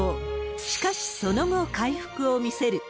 しかし、その後回復を見せる。